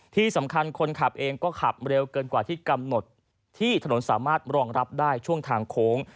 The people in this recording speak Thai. คนขับเองก็ขับเร็วเกินกว่าที่กำหนดที่ถนนสามารถรองรับได้ช่วงทางโค้ง